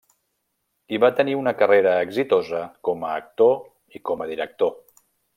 Hi va tenir una carrera exitosa com a actor i com a director.